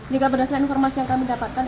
jika berdasarkan informasi yang kami dapatkan